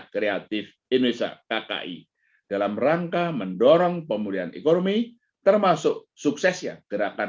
kreatif indonesia kki dalam rangka mendorong pemulihan ekonomi termasuk suksesnya gerakan